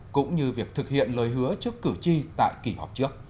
cũng như việc thực hiện lời hứa trước cử tri tại kỳ họp trước